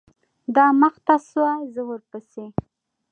دا مخته سوه زه ورپسې.